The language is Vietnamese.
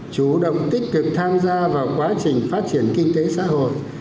chủ động tích cực tham gia vào quá trình phát triển kinh tế xã hội